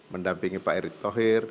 mendampingi pak erick thohir